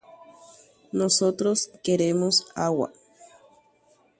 Ñande jaipota y.